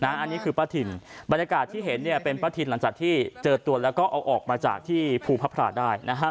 อันนี้คือป้าทินบรรยากาศที่เห็นเป็นป้าทินหลังจากที่เจอตัวแล้วก็เอาออกมาจากที่ภูพระพราได้นะฮะ